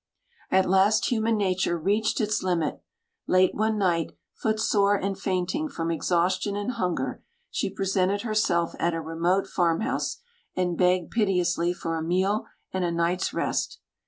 At last human nature reached its limit. Late one night, footsore and fainting from exhaustion and hunger, she presented herself at a remote farmhouse, and begged piteously for a meal and a night's rest.